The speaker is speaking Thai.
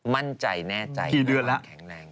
มั่นใจต้อนรักแข็งแรง